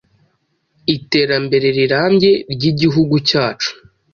terambere rirambye ry’igihugu cyacu.